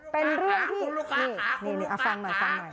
เป็นเรื่องที่คุณลูกค้าคุณลูกค้าคุณลูกค้าคุณลูกค้า